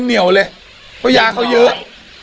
เหนียวเลยเพราะยาเขาเยอะ